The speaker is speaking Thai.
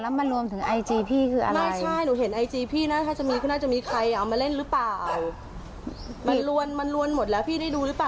มันรวนมันรวมหมดแล้วพี่ได้ดูรึเปล่า